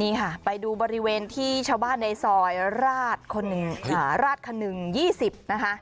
นี่ค่ะไปดูบริเวณที่ชาวบ้านในซอยราชขนึง๒๐นะคะ